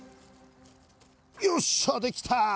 よっしゃできた。